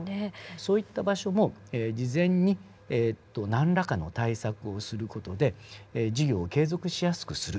そういった場所も事前に何らかの対策をする事で事業を継続しやすくする。